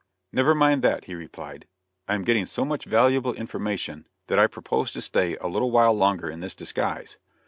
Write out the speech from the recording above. "Never mind that," he replied; "I am getting so much valuable information that I propose to stay a little while longer in this disguise."